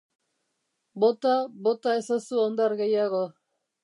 Bota, bota ezazu hondar gehiago.